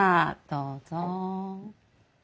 どうぞ。